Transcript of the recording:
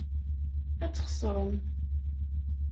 Ad txeṣrem.